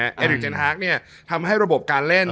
เอริกเจนฮาร์กเนี่ยทำให้ระบบการเล่น